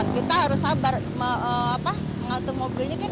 kita harus sabar mengatur mobilnya